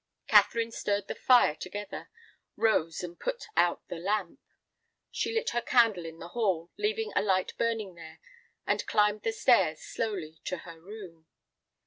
Catherine stirred the fire together, rose and put out the lamp. She lit her candle in the hall, leaving a light burning there, and climbed the stairs slowly to her room.